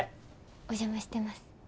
お邪魔してます。